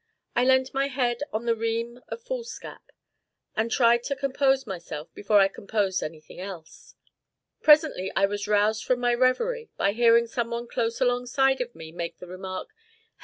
I leant my head on the ream of foolscap, and tried to compose myself before I composed anything else. Presently I was roused from my reverie, by hearing some one close alongside of me make the remark, "Hem!